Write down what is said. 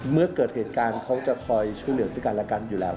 เมื่อเกิดเหตุการณ์เขาจะคอยช่วยเหลือซึ่งกันและกันอยู่แล้ว